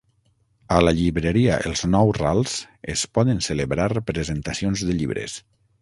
A la llibreria Els Nou Rals es poden celebrar presentacions de llibres.